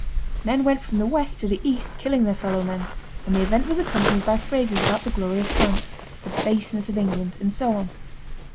Men went from the west to the east killing their fellow men, and the event was accompanied by phrases about the glory of France, the baseness of England, and so on.